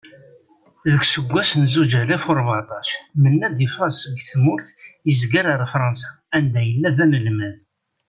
Deg useggas n zuǧ alaf u rbeɛṭac, Menad iffeɣ seg tmurt izger ar Fransa and yella d-analmad.